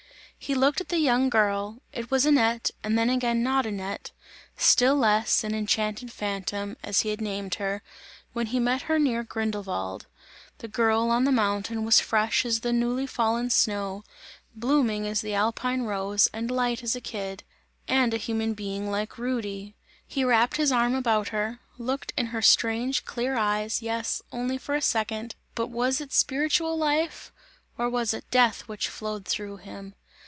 He looked at the young girl, it was Annette and then again not Annette; still less, an enchanted phantom, as he had named her, when he met her near Grindelwald. The girl on the mountain was fresh as the newly fallen snow, blooming as the alpine rose and light as a kid; and a human being like Rudy. He wound his arm about her, looked in her strange clear eyes, yes, only for a second but was it spiritual life or was it death which flowed through him?